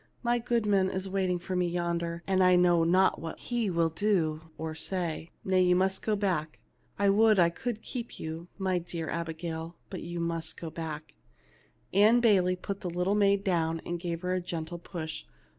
Mygoodman is waiting for me yonder, and I know not what he will do or say. Nay ; you must go back. I would I could keep 3^011, my little Abigail, but you must go back. " Ann Bayley put the little maid down and gave her a gentle push.